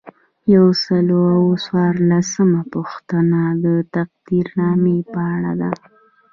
یو سل او څوارلسمه پوښتنه د تقدیرنامې په اړه ده.